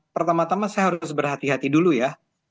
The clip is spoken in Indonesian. pertama tama saya harus berhati hati dulu ya